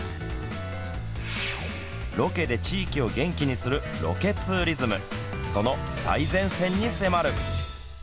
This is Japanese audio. ロケで地域を元気にするロケツーリズムその最前線に迫る。